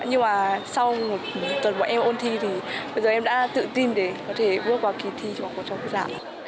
nhưng mà sau một tuần mọi em ôn thi bây giờ em đã tự tin để có thể bước vào kỳ thi của quốc gia